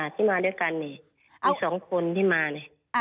ที่มาด้วยกันมี๒คนที่มา